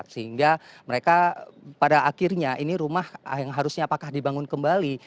sehingga mereka pada akhirnya ini rumah yang harusnya apakah dibangun kembali